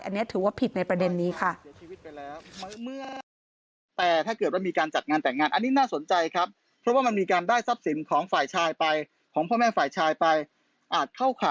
อันนี้ถือว่าผิดในประเด็นนี้ค่ะ